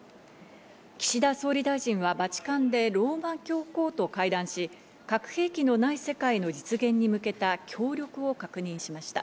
岸田総理大臣はバチカンでローマ教皇と会談し、核兵器のない世界の実現に向けた協力を確認しました。